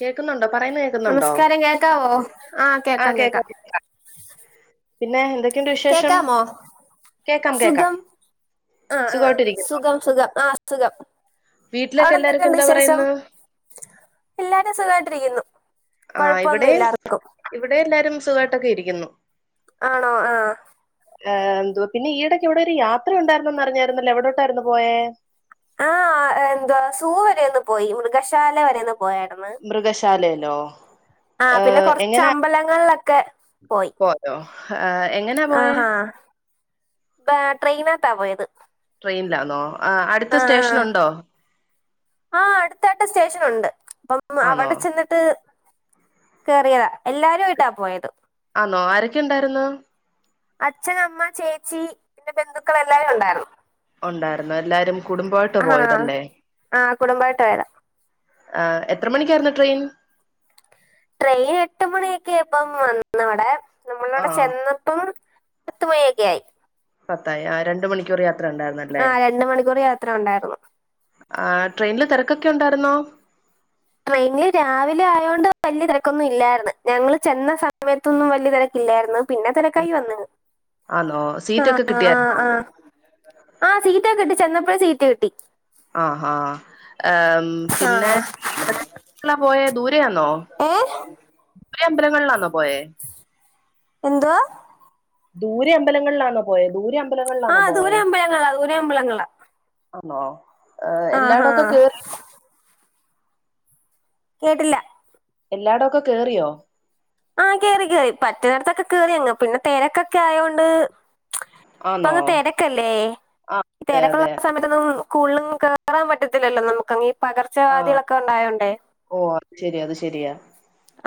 കേൾക്കുന്നുണ്ടോ പറയുന്ന കേൾക്കുന്നുണ്ടോ നമസ്കാരം കേൾക്കാവോ ആഹ് കേൾക്കാം കേക്കാം പിന്നെ എന്തൊക്കെയുണ്ട് വിശേഷം കേക്കാമോ കേക്കാം കേൾക്കാം സുഖം ആഹ് ആഹ് സുഖം സുഖം ആഹ് സുഖം വീട്ടിലൊക്കെ അവിടെ എല്ലാർക്കും എന്തൊക്കെയുണ്ട് എന്താ വിശേഷം പറയുന്നു എല്ലാരും സുഖായിട്ടിരിക്കുന്നു കുഴപ്പൊന്നുല്ലാർക്കും ഇവിടെം എല്ലാരും സുഖമായിട്ടൊക്കെ ഇരിക്കുന്നു ആണോ അ ആഹ് ഏ എന്തുവാ പിന്നെ ഈടയൊക്കെവിടെ ഒരു യാത്ര ഉണ്ടായിരൂന്നന്ന് അറിഞ്ഞായിരുന്നല്ലോ എവിടോട്ടായിരുന്നു പോയേ ആഹ് എന്താ സൂവരെയൊന്ന് പോയി മൃഗശാല വരെയൊന്ന് പോയായിര്ന്ന് മൃഗശാലെല്ലോ ആ പിന്നെ കൊറച്ച് അമ്പലങ്ങളിലൊക്കെ പോയി പോയോ എങ്ങനാ പോയേ ഏ ട്രെയിനകത്താ പോയത് ട്രെയിനിലാന്നോ ആ അടുത്ത് ആഹ് സ്റ്റേഷൻ ഉണ്ടോ ആഹ് അട്ത്തായിട്ട് സ്റ്റേഷൻ ഉണ്ട് അപ്പം ആന്നോ അവിടെ ചെന്നി കേറിയതാ എല്ലാരും ആയിട്ടാ പോയത് ആന്നോ ആരൊക്കെ ഇണ്ടായിര്ന്ന് അച്ഛൻ അമ്മ ചേച്ചി പിന്നെ ബന്ധുക്കൾ എല്ലാരുണ്ടായിരുന്നു ഉണ്ടായിരുന്നു എല്ലാരും കുടുംബമായിട്ട് ആഹ് പോയതല്ലേ ആഹ് കുടുംബായിട്ട് പോയതാ ആഹ് എത്ര മണിക്കായിരുന്നു ട്രെയിൻ ട്രെയിൻ എട്ട് മണിയൊക്കായപ്പം വന്നവടെ ആ നമ്മളവിടെ ചെന്നപ്പം പത്ത് മണി ഒക്കെ ആയി പത്തായി ആ രണ്ട് മണിക്കൂർ യാത്ര ഇണ്ടായിര്ന്ന് ആ രണ്ട് മണിക്കൂർ യാത്ര ഉണ്ടായിരുന്നു ആ ട്രെയിനില് തെരക്കൊക്കെ ഉണ്ടായിരുന്നോ ട്രെയിനില് രാവിലെ ആയോണ്ട് വല്ലിയ തെരക്കൊന്നും ഇല്ലായിര്ന്ന് ഞങ്ങള് ചെന്ന സമയത്തൊന്നും വല്ലിയ തെരക്കില്ലായിര്ന്ന് പിന്നെ തെരക്കായി വന്ന് ആന്നോ ആ സീറ്റൊക്കെ ആ കിട്ടിയായിരുന്നോ ആ ആഹ് സീറ്റ് ഒക്കെ കിട്ടി ചെന്നപ്പയെ സീറ്റ് കിട്ടി ആഹ് ഹാ ഉം പിന്നെ ആഹ് പോയെ ദൂരെയാന്നോ ഏഹ് [unintelligible] അമ്പലങ്ങളിലാണോ പോയേ എന്തുവാ ദൂരെ അമ്പലങ്ങളിലാന്നോ പോയെ ദൂരെ അമ്പലങ്ങളിലാന്നോ ആഹ് പോയെ ദൂരെ അമ്പലങ്ങളാ ദൂരെ അമ്പലങ്ങളാ ആന്നോ ആഹ് എല്ലാടൊക്കെ ആഹ് കേറി കേട്ടില്ല എല്ലാടോക്കെ കേറിയോ ആഹ് കേറി കേറി പറ്റുന്നിടത്തൊക്കെ കേറി അങ്ങ് പിന്നെ തിരക്കൊക്കെ ആയോണ്ട് ഇപ്പ ആന്നോ അങ്ങ് തെരക്കല്ലേ ആ അതെ തെരക്കുള്ള അതെ സമയത്ത് സ്കൂളിലും കേറാൻ പറ്റത്തില്ലല്ലോ നമുക്കങ്ങ. ആഹ് ഓ അത് ശരി അത് ശരിയാ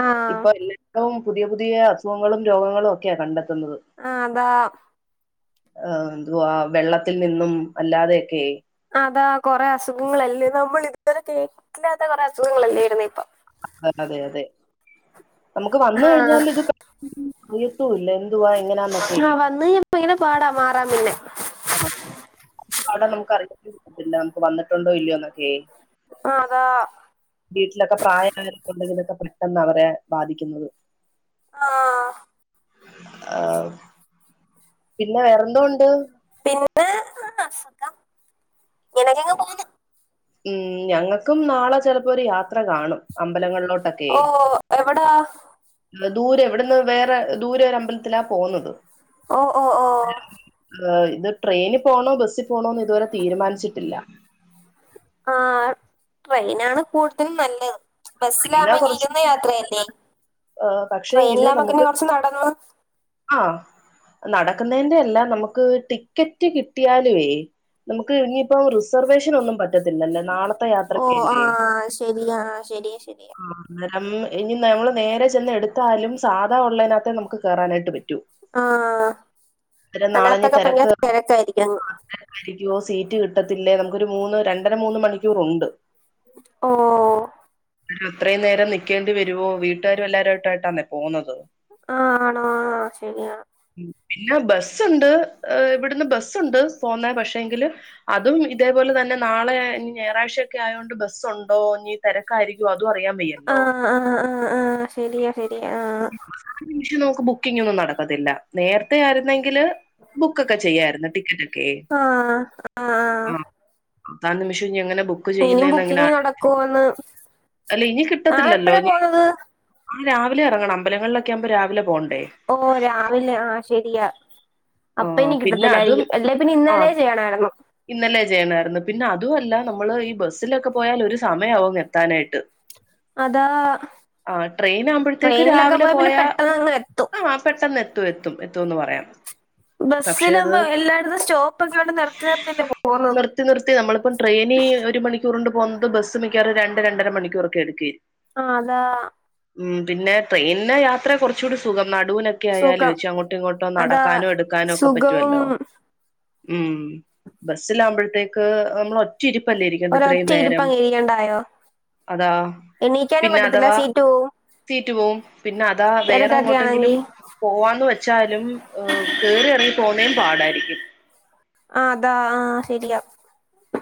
ആഹ് ഇപ്പ എല്ലാ വും പുതിയ പുതിയ അസുഖങ്ങളും രോഗങ്ങളും ഒക്കെയാ കണ്ടെത്തുന്നത് ആഹ് താ എന്തുവാ വെള്ളത്തിൽ നിന്നും അല്ലാതെയൊക്കെയായി അതാ കുറെ അസുഖങ്ങളല്ലേ നമ്മൾ ഇതുവരെ കേട്ടിട്ടില്ലാത്ത കുറെ അസുഖങ്ങളല്ലേയിരുന്നു ഇപ്പൊ അതെ അതെ അതെ നമുക്ക് വന്ന് ആഹ് കഴിഞ്ഞാൽ ഇത് അറീയത്തൂല്ല ആഹ് വന്ന് കഴിഞ്ഞാൽ ഭയങ്കര പാടാ മാറാൻ പിന്നെ ആഹ് അവിടെ നമുക്ക്റിയില്ല നമുക്ക് വന്നിട്ടുണ്ടോ ഇല്ലിയോന്നൊക്കെ ആഹ് അതാ വീട്ടിലൊക്കെ പ്രായം ആയവരൊക്കെ ഉണ്ടെങ്കിലൊക്കെ പെട്ടെന്ന് അവരെ ബാധിക്കുന്നത് ആഹ് ആഹ് പിന്നെ വേറെന്തൊണ്ട് പിന്നെ സുഖം ഇങ്ങനെ ഒക്കെ അങ്ങ് പോകുന്നു ഉം ഞങ്ങൾക്കും നാളെ ചെലപ്പോ ഒരു യാത്ര കാണും അമ്പലങ്ങളിലോട്ടൊക്കെ ഓ എവിടാ ദൂരെ വിടെന്ന് വേറെ ദൂരെ ഒരു അമ്പലത്തിലാ പോകുന്നത് ഓ ഓ ഓ ഇത് ട്രെയിനി പോണോ ബസ്സിൽ പോണോന്ന് ഇതുവരെ തീരുമാനിച്ചിട്ടില്ല ആഹ് ട്രെയിനാണ് കൂടുതലും നല്ലത് ബസ്സില പിന്നെ ആകുമ്പോ കുറച്ച് ഇരുന്ന യാത്രയല്ലേ പക്ഷേങ്കില് ട്രെയിനിലാവുമ്പോക്കന്നെ കൊറച്ച് നടന്നു ആഹ് നടക്കുന്നതിന്റെ അല്ല നമുക്ക് ടിക്കറ്റ് കിട്ടിയാലുവേ നമുക്ക് ഇനിയിപ്പം റിസർവേഷൻ ഒന്നും പറ്റില്ല പറ്റത്തില്ലല്ലോ നാളത്തെ ഓ യാത്രക്കല്ലേ ആഹ് ശരിയാ ശരിയാ ശരിയാ അന്നേരം ഇനി നമ്മള് നേരെ ചെന്ന് എടുത്താലും സാധാ ഉള്ളതിനകത്തെ നമുക്ക് കേറാനായിട്ടും ആഹ് അന്നേരം അതിനകതൊക്കെ ഭയങ്കര തെരെക്കായർക്കും രിക്കുവോ സീറ്റ് കിട്ടത്തില്ലേ നമുക്കൊരു മൂന്ന് രണ്ടര മൂന്ന് മണിക്കൂർണ്ട് ഓഹ് ആഹ് അത്രയും നേരം നിക്കേണ്ടി വരുവോ വീട്ടുകാരും എല്ലാവരുമായിട്ടായിട്ടാന്നെ പോന്നത് ആഹ് ആണോ ആഹ് ശെരിയാ പിന്നെ ബസ്സ്ണ്ട് ഇവിടുന്ന് ബസ്സുണ്ട് പോന്നെ പക്ഷേ എങ്കില് അതും ഇതേപോലെ തന്നെ നാളെ ഇനി ഞായറാഴ്ചയൊക്കെ ആയോണ്ട് ബസ്സുണ്ടോ ഞ്ഞി ക്കരിക്കും അതും അറിയാൻ വയ്യല്ലോ ആഹ് ആഹ് ആഹ് ആഹ് ശരിയാ ശരിയാ ആഹ് ആ നിമിഷം നമുക്ക് ബുക്കിംഗ് ഒന്നും നടക്കത്തില്ല നേരത്തെ ആയിരുന്നെങ്കില് ബുക്കൊക്കെ ചെയ്യാർന്നു ടിക്കറ്റൊക്കെ ആഹ് അതാ നിമിഷം എങ്ങനെ ബുക്ക് ഇനിയും ചെയ്യുന്നന്ന് അങ്ങനെ ബുക്കിംഗ് ആഹ [unintelligible] അല്ല ഇനി നാളെ കിട്ടത്തില്ലല്ലോ എപ്പഴാ പോന്നത് ആഹ് രാവിലെ ഇറങ്ങണം അമ്പലങ്ങളിലൊക്കെ ആവുമ്പോ രാവിലെ പോകണ്ടേ ഓഹ് രാവിലെ ആ ശരിയാ അപ്പ ആഹ് ഇനി പിന്നെ അതും കിട്ടത്തില്ലായിരിക്കും അല്ലേപ്പിന്നെ ആഹ് ഇന്നലെ ചെയ്യണായിരുന്നു ഇന്നലെ ചെയ്യണമായിരുന്നു പിന്നെ അതുമല്ല നമ്മള് ഈ ബസ്സിലൊക്കെ പോയാൽ ഒരു സമയമാവും എത്താനായിട്ട് അതാ ആഹ് ട്രെയിൻ ആകുമ്പോഴത്തേക്ക് ട്രെയിനിലൊക്കെ രാവിലെ പോയാൽ പിന്നെ പോയാ പെട്ടെന്ന് അങ്ങ് എത്തും ആഹ് പെട്ടെന്ന് എ എത്തും എത്തുന്ന് പറയാം പക്ഷെ ബസ്സിൽ അത് ആവുമ്പേ എല്ലായിടത്തും സ്റ്റോപ്പ് ഒക്കെണ്ട് നിർത്തി നിർത്തില്ലേ പോകുന്നത് നിത്തി നിർത്തി നമ്മളിപ്പ ട്രെയിന് ഒരു മണിക്കൂറി കൊണ്ട് പോകുന്നത് ബസ് മിക്കവാറും രണ്ട് രണ്ടരണിക്കൂർക്കെ എടുക്കും ആഹ് അതാ ഉം പിന്നെ ട്രെയിൻനെ യാത്ര കുറച്ചുകൂടി സുഖം നടുവിനൊക്കെ ആയാൽ സുഖം വെച്ച് അങ്ങോട്ടും ഇങ്ങോട്ടും നട അതാ ക്കാനോ എടുക്കാനോ ഒക്കെ സുഖവും പറ്റുവല്ലോ ഉം ബസ്സിലാകുമ്പോഴത്തേക്ക് നമ്മൾ ഒ ഒറ്റ ഇരുപ്പല്ലേ ഇരിക്കണ്ട ഇത്രയും ഒരൊറ്റ ഇരിപ്പ് നേരം അങ്ങ് ഇരിക്കണ്ടായോ അതാ എണീക്കാനും പിന്നെ പറ്റത്തില്ല അഥവാ സീറ്റ് പോവും സീറ്റു പോവും പിന്നെ അതവാ വേറെ തിരക്കൊക്കെ എങ്ങോട്ടെങ്കിലും ആണെങ്കി പോവാന്ന് വെച്ചാലും കേറി ഇറങ്ങിപ്പോവുന്നതും പാടായിരിക്കും ആഹ് അതാ ആഹ് ശരിയാ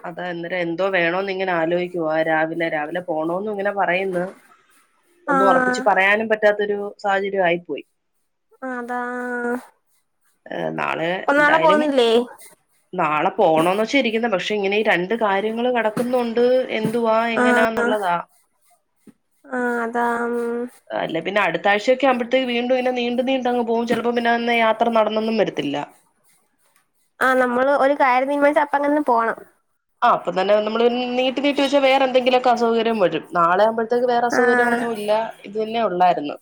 അതാ അന്നേരം എന്തോ വേണോന്ന് ഇങ്ങനെ ആലോചിക്കുവ രാവിലെ രാവിലെ പോകണോന്ന ഇങ്ങനെ പറയുന്ന ആ ഒന്നും ഉറപ്പിച്ച് പറയാനും പറ്റാത്തൊരു സാഹചര്യം ആയി പോയി അതാ ഏഹ് നാളെ അപ്പൊ നാളെ എന്തായാലും പോകുന്നില്ലേ നാളെ പോണന്ന് വെച്ച ഇരിക്ക്ന്നെ പക്ഷെ ഇങ്ങനെ ഈ രൺ ണ്ട് കാര്യങ്ങള് കെടക്കുന്നുണ്ട് എന്തുവാ എങ്ങനാന്നുള്ളതാ ആ അതാ ഉം അല്ല പിന്നെ അടുത്താഴ്ചയൊക്കാകുമ്പഴത്തേ വീണ്ടും നെ നീണ്ട് നീണ്ടങ് പോം ചെലപ്പോം പിന്നന്ന് യാ ത്ര നടന്നൊന്നും വരത്തില്ല ആ നമ്മള് ഒരു കാര്യം തീര്മാനിച്ച അപ്പം തന്നെ പോണം ആ അപ്പത്തെന്നെ നമ്മള് നീട്ടി നീട്ടി വെച്ച വേറെന്തെങ്കിലൊക്കെ അസൗകര്യം വരും നാളെയാകുമ്പോ ഇത്തക്ക് വേറെ ആ അസൗകര്യോന്നുല്ല ഇത് തന്നെ ഒള്ളായിര്ന്നു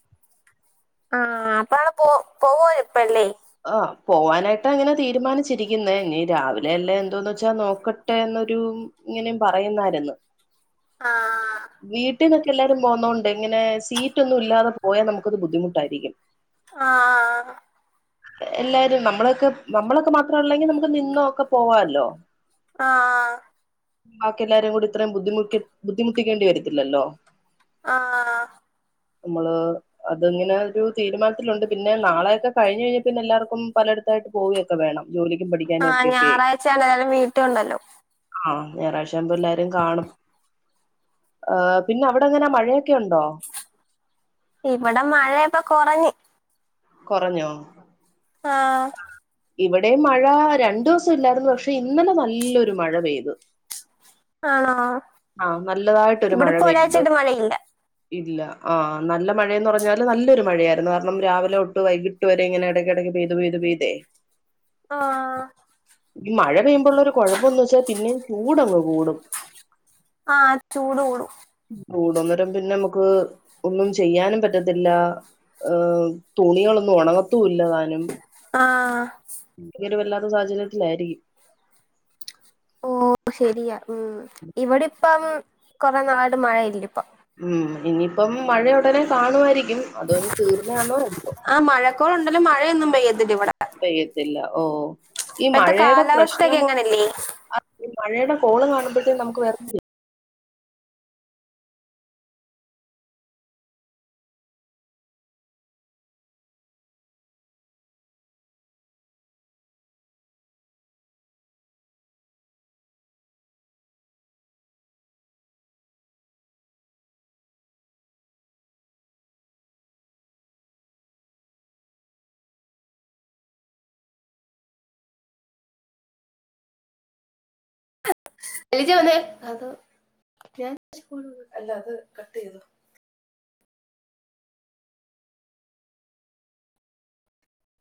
ആ അപ്പവടെ പോ പോവ ഇപ്പല്ലേ ആഹ് പോവാനായിട്ടങ്ങനെ തീരുമാനിച്ചിരിക്ക്ന്നേ ഇനി രാവിലെ അല്ലേ എന്തോന്ന് വെച്ചാ നോക്കട്ടെന്നൊരു ഇങ്ങനേം പറയുന്നാരുന്നു [inaudible] വീട് ട്ടീന്നൊക്കെ എല്ലാരും പോന്നോണ്ട് ഇങ്ങനെ സീറ്റൊന്നും ല്ലാതെ പോയാ നമുക്കൊരു ബുദ്ധിമുട്ടായിരിക്കും ആഹ് എല്ലാരും നമ്മളൊക്കെ നമ്മളൊക്കെ മാത്രൊള്ളെങ്കി നമുക്ക് നിന്നൊക്കെ പോവാല്ലോ ആഹ് ആഹ് ബാക്കി എല്ലാരും കൂടി ഇത്രേം ബുദ്ധിമുക്കി ബുദ്ധിമുട്ടിക്കേണ്ടി വരത്തില്ലല്ലോ ആഹ് നമ്മള് അത്ങ്ങനെ ഒരു തീരുമാനത്തിലുണ്ട് പിന്നെ നാളെയൊക്കെ കഴിഞ്ഞയ്ഞ്ഞ പിന്നെല്ലാർക്കും പലേട്ത്തായിട്ടും പോവൊക്കെ വേണം ജോലിക്കും പഠിക്കാനും ആഹ് ഒക്കെ ഒക്കെ ഞായറാഴ്ചയാണ് എല്ലാരും വീട്ടിലുണ്ടല്ലോ ആഹ് ഞാറാഴ്ച്ചാകുമ്പോ എല്ലാരും കാണും ആ പിന്നെ അവടെങ്ങന മഴയൊക്കെ ഉണ്ടോ ഇവടെ മഴപ്പൊ കൊറഞ്ഞ് കൊറഞ്ഞോ ആഹ് ഇവിടേം മഴ രണ്ടുസം ഇല്ലാര്ന്നു പക്ഷെ ഇന്നലെ നല്ലൊരു മഴ പെയ്തു ആണോ ആഹ് നല്ലതായിട്ടൊരു ഇവിടെ മഴ ഇപ്പൊ പെയ്തു ഒരാഴ്ചയായിട്ട് മഴയില്ല ഇല്ല ആ നല്ല മഴയെന്ന് പറഞ്ഞാല് നല്ലൊരു മഴയായിരുന്നു കാരണം രാവിലൊട്ട് വൈകി ട്ട് വരെ ഇങ്ങനെ എടയ്ക്കെടയ്ക്ക് പെയ്ത് പെയ്ത് പെയ്തേ ആഹ് ഈ മഴ പെയ്യുമ്പള്ളൊരു കൊഴപ്പംന്ന് വെച്ചാ പിന്നേം ചൂടങ് കൂടും ആഹ് ചൂട് കൂടും കൂട്ന്നേരം പിന്നെ മ്മക്ക് ഒന്നും ചെയ്യാനും പറ്റത്തില്ല ഏഹ് തുണികളൊന്നും ഒണങ്ങത്തൂല്ലതാ നും ആഹ് ഈയൊരു വെല്ലാത്ത സാഹചര്യത്തിലായിരിക്കും ഓ ശെരിയാ ഉം ഇവടെപ്പം കൊറെ നാളായിട്ട് മഴ ഇല്ലപ്പം ഉം ഇനിയിപ്പം മഴ ഒടനെ കാണുവായിരിക്കും അതോ ഞ്ഞി തീർന്നാണോ എന്തോ ആ മഴക്കോളുണ്ടേലും മഴയൊന്നും പെയ്യത്തില്ല ഇവടെ പെയ്യത്തില്ല ഓ ഈ ഇപ്പഴത്തെ മഴേടെ കാലാവസ്ഥയൊക്കെ പ്രശ്നം എങ്ങനല്ലേ ഈ മഴേടെ കോള് കാണുമ്പഴത്തേനും നമുക്ക് വെർ ന്ന അ ഞ അല്ല ക് ചെയ്തു [unintelligible]